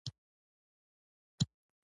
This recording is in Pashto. ماښام په کور کې د کورنۍ سره وخت تېروم.